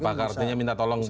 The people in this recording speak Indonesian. apakah artinya minta tolong